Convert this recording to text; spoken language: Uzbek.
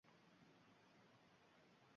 O‘rtog‘ingga arramiz yo‘qolib qopti, deb qo‘yaver